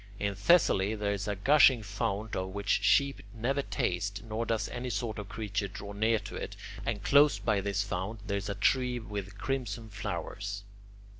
In Thessaly there is a gushing fount of which sheep never taste, nor does any sort of creature draw near to it, and close by this fount there is a tree with crimson flowers.